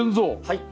はい。